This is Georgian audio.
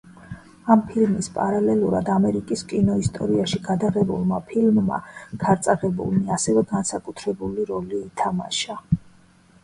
ამ ფილმის პარალელურად, ამერიკის კინო ისტორიაში, გადაღებულმა ფილმმა „ქარწაღებულნი“ ასევე განსაკუთრებული როლი ითამაშა.